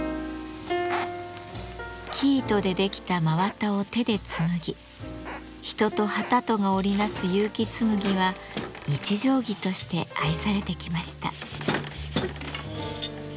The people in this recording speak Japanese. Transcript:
生糸で出来た真綿を手で紡ぎ人と機とが織り成す結城紬は日常着として愛されてきました。